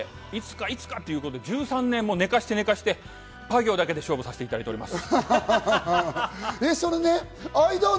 ずれて、いつか、いつかということで１３年も寝かして、ぱ行だけで勝負させていただいております。